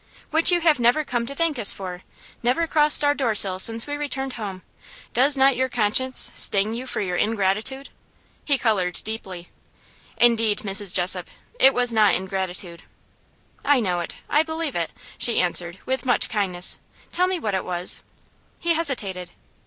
"Which you have never come to thank us for. Never crossed our door sill since we returned home! Does not your conscience sting you for your ingratitude?" He coloured deeply. "Indeed, Mrs. Jessop, it was not ingratitude." "I know it; I believe it," she answered, with much kindness. "Tell me what it was?" He hesitated.